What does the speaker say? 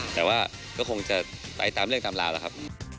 แต่ว่าก็คงจะไปตามเรื่องตามราวแล้วครับ